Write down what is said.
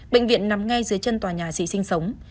bệnh viện nằm ngay dưới chân tòa nhà sĩ sinh sống